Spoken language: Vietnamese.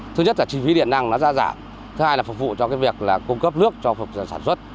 thứ nhất là chi phí điện năng nó ra giảm thứ hai là phục vụ cho việc cung cấp nước cho sản xuất